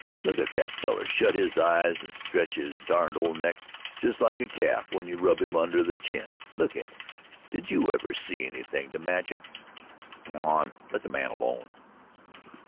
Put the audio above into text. Look at that feller shut his eyes and stretch his derned old neck! Just like a calf when you rub him under the chin. Look at him did you ever see anything to match it?" "Come on let the man alone."